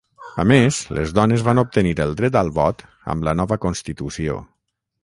A més, les dones van obtenir el dret al vot amb la nova constitució.